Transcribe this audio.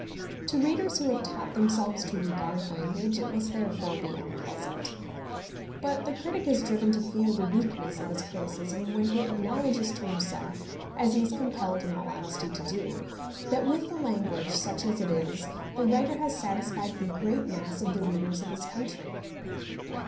To readers who have taught themselves to regard language, it must therefore be unpleasant. But the critic is driven to feel the weakness of his criticism, when he acknowledges to himself as he is compelled in all honesty to do that with the language, such as it is, the writer has satisfied the great mass of the readers of his country.